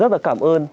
rất là cảm ơn